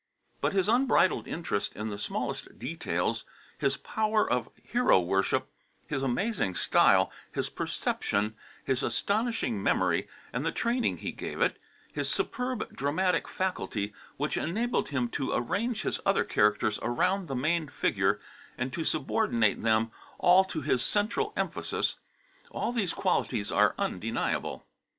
But his unbridled interest in the smallest details, his power of hero worship, his amazing style, his perception, his astonishing memory and the training he gave it, his superb dramatic faculty, which enabled him to arrange his other characters around the main figure, and to subordinate them all to his central emphasis all these qualities are undeniable.